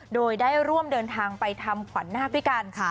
โดยได้ร่วมเดินทางไปทำขวัญหน้าพิกัลค่ะ